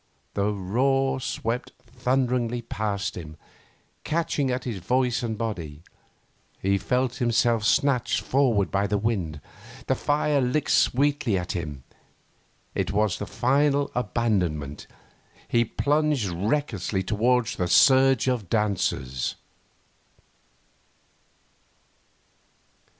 The roar swept thunderingly past him, catching at his voice and body. He felt himself snatched forward by the wind. The fire licked sweetly at him. It was the final abandonment. He plunged recklessly towards the surge of dancers....